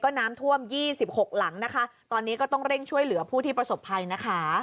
น้ำท่วมยี่สิบหกหลังนะคะตอนนี้ก็ต้องเร่งช่วยเหลือผู้ที่ประสบภัยนะคะ